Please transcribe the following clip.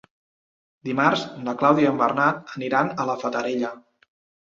Dimarts na Clàudia i en Bernat aniran a la Fatarella.